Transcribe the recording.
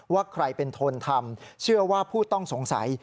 ว่าใครเป็นคนทำเชื่อว่าผู้ต้องสงสัย